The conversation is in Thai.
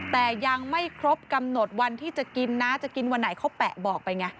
แต่ยังไม่ครบกำหนดวันที่จะกินนะจะกินวันไหนเขาแปะบอกไปไง